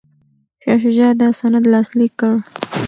شاه شجاع دا سند لاسلیک کړ.